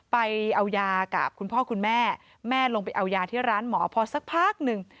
ไปเอายากับคุณพ่อคุณแม่แม่ลงไปเอายาที่ร้านหมอพอสักพักหนึ่ง